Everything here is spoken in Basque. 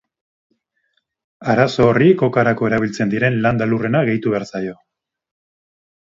Arazo horri kokarako erabiltzen diren landa-lurrena gehitu behar zaio.